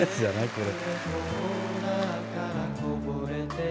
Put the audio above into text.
これ。